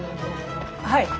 はい！